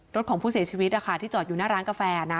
รถของผู้เสียชีวิตที่จอดอยู่หน้าร้านกาแฟนะ